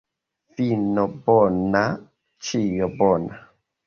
Fino bona, ĉio bona.